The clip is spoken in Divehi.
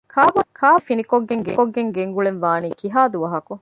ކާބޯތަކެތި ފިނިކޮށްގެން ގެންގުޅެން ވާނީ ކިހާ ދުވަހަކު؟